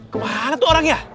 kemana tuh orangnya